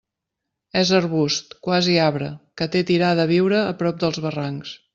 És arbust, quasi arbre, que té tirada a viure a prop dels barrancs.